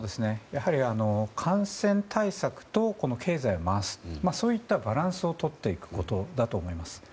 やはり、感染対策と経済を回すそういったバランスをとっていくことだと思います。